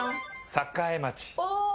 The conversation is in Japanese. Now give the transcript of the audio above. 栄町。